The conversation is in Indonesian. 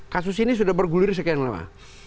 kasus ini sudah bergulir sekian lama